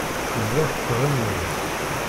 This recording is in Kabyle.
Tebda tettɣenni.